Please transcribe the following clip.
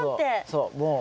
そう。